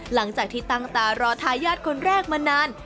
หลังจากที่ตั้งตารอทายาทคนแรกมานาน